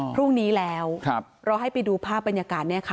พรุ่งนี้แล้วเราให้ไปดูภาพบรรยากาศเนี่ยค่ะ